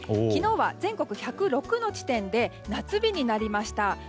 昨日は全国１０６の地点で夏日になりました。